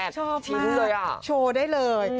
ชอบมากโชว์ได้เลย